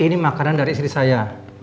ini makanan dari istri saya